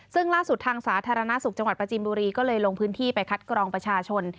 ซึ่งล่าสุดทางสาธารณสุขจังหวัดประจีนบุรีก็เลยลงพื้นที่ไปคัดกรองประชาชน